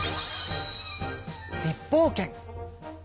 立法権。